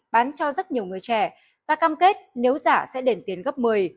bán cho rất nhiều người trẻ và cam kết nếu giả sẽ đền tiền gấp một mươi